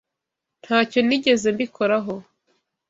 Ntacyo nigeze mbikoraho